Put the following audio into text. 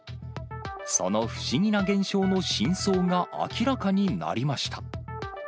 その不思議な現象の真相が明らかになりました。